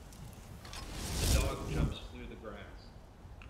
A dog jumps through the grass